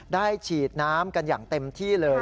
ฉีดน้ำกันอย่างเต็มที่เลย